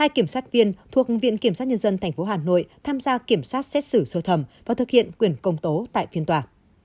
hai kiểm sát viên thuộc viện kiểm sát nhân dân tp hà nội tham gia kiểm sát xét xử sơ thẩm và thực hiện quyền công tố tại phiên tòa